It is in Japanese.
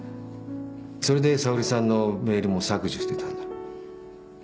それで沙織さんのメールも削除してたんだ。